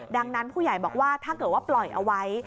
ดังนั้นผู้ใหญ่บอกว่าถ้าเกิดว่าปล่อยเอาไว้